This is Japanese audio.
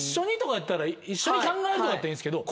「一緒に考える」とかやったらいいんですけど。